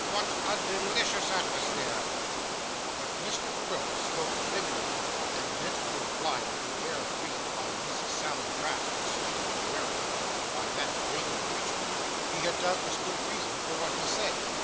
What a delicious atmosphere!' If Mr Quilp spoke figuratively, and meant to imply that the air breathed by Miss Sally Brass was sweetened and rarefied by that dainty creature, he had doubtless good reason for what he said.